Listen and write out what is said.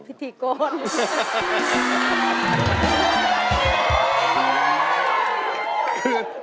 พิธีโกศ